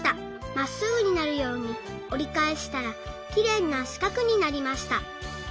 まっすぐになるようにおりかえしたらきれいなしかくになりました。